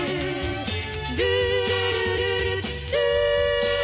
「ルールルルルルー」